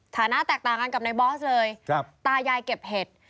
ฐานะแตกต่างกันกับในบอสเลยตายายเก็บเห็ด